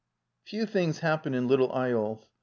^'' Few things happen in " Little Eyolf."